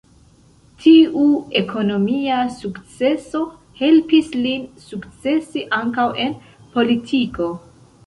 Tiu ekonomia sukceso helpis lin sukcesi ankaŭ en politiko.